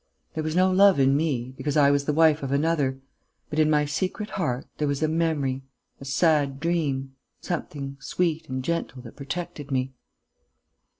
There was no love in me, because I was the wife of another. But, in my secret heart, there was a memory, a sad dream, something sweet and gentle that protected me...."